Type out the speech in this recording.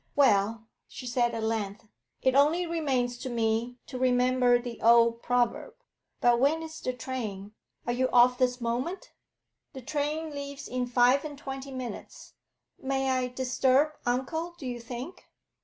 'Well,' she said at length, 'it only remains to me to remember the old proverb. But when is the train? Are you off this moment?' 'The train leaves in five and twenty minutes. May I disturb uncle, do you think?'